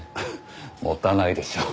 持たないでしょ。